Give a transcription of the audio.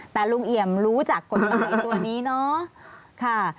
แต่ลุงเอี่ยมรู้จักกฎหมายตัวนี้เนาะ